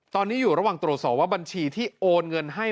ตอนนี้อยู่ระหว่างตรวจสอบว่าบัญชีที่โอนเงินให้